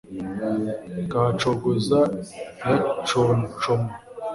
Ikahacogoza ihaconshoma